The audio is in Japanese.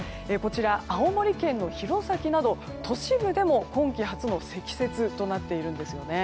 青森県の弘前など都市部でも今季初の積雪となっているんですよね。